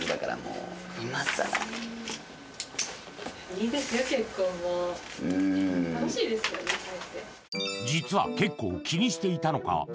もう実は結構気にしていたのか